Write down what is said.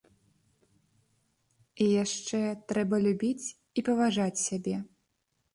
І яшчэ трэба любіць і паважаць сябе.